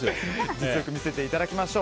実力見せていただきましょう。